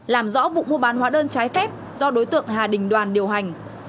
làm rõ vụ mua bán hóa đơn trái phép do đối tượng hà đình đoàn điều hành